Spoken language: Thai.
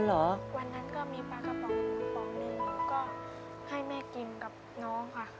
วันนั้นก็มีปลากระป๋องกระป๋องหนึ่งก็ให้แม่กินกับน้องค่ะ